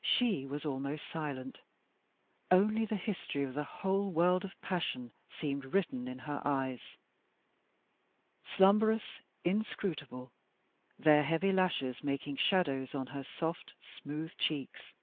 She was almost silent, only the history of the whole world of passion seemed written in her eyes slumbrous, inscrutable, their heavy lashes making shadows on her soft, smooth cheeks.